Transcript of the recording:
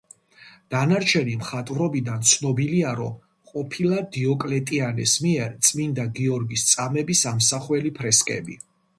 დანარჩენი მხატვრობიდან ცნობილია, რომ ყოფილა დიოკლეტიანეს მიერ წმინდა გიორგის წამების ამსახველი ფრესკები.